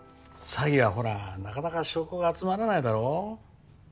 詐欺はほらなかなか証拠が集まらないだろ？